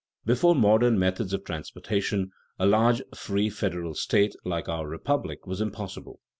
Before modern methods of transportation, a large free federal state like our republic was impossible.